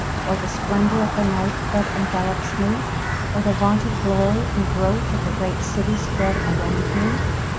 Or the splendor of the night that envelopes me? Or the vaunted glory and growth of the great city spread around me?